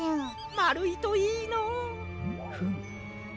まるいといいのう。フム。